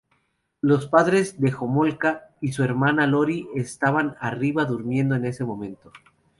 Los padres de Homolka y su hermana Lori estaban arriba durmiendo en ese momento.